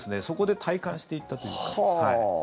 そこで体感していったというか。